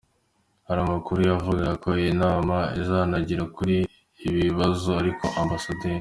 Hari amakuru yavugaga ko iyi nama izanaganira kuri ibi bibazo ariko Amb.